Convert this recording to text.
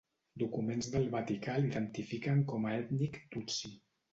Documents del Vaticà l'identifiquen com a ètnic tutsi.